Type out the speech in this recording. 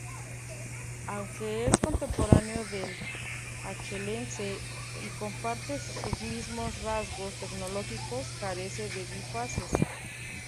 Aunque es contemporáneo del Achelense y comparte sus mismos rasgos tecnológicos, carece de bifaces.